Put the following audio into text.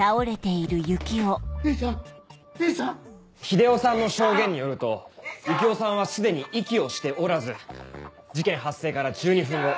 日出夫さんの証言によると夕紀夫さんは既に息をしておらず事件発生から１２分後。